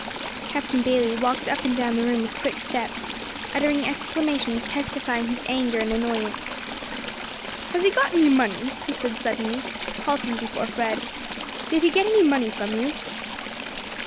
Captain Bayley walked up and down the room with quick steps, uttering exclamations testifying his anger and annoyance. "Has he got any money?" he said suddenly, halting before Fred. "Did he get any money from you?"